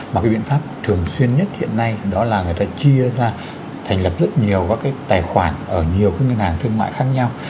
và cái biện pháp thường xuyên nhất hiện nay đó là người ta chia ra thành lập rất nhiều các cái tài khoản ở nhiều ngân hàng thương mại khác nhau